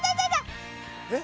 えっ？